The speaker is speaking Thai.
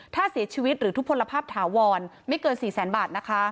ถ้าเสียชีวิตหรือทุพลภาพถาวรไม่เกิน๔๐๐๐๐๐บาท